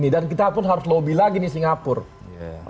dan kita pun harus lobby lagi di singapura